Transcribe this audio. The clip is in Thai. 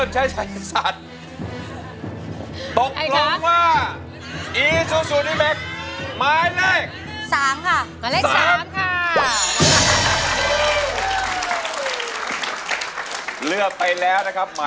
ใช้ค่ะ